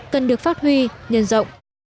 cần được phát huy nhân rộng